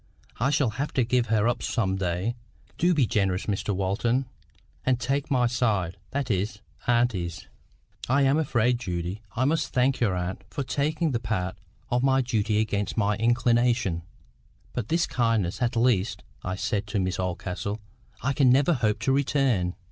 I shall have to give her up some day. Do be generous, Mr Walton, and take my side—that is, auntie's." "I am afraid, Judy, I must thank your aunt for taking the part of my duty against my inclination. But this kindness, at least," I said to Miss Oldcastle, "I can never hope to return."